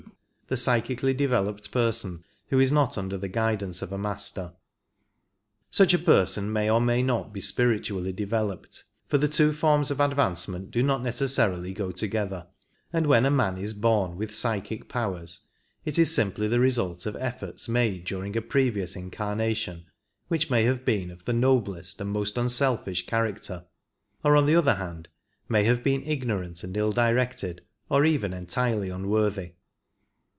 The Psychically developed Person who is not under the guidance of a Master, Such a person may or may not be spiritually developed, for the two forms of advancement do not necessarily go together, and when a man is born with psychic powers it is simply the result of efforts made dur ing a previous incarnation, which may have been of the noblest and most unselfish character, or on the other hand may have been ignorant and ill directed or even entirely un wxjrthy.